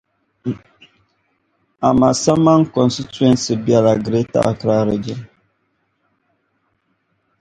Amasaman Constituency be la Greater Accra Region.